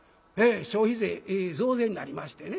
消費税増税になりましてね。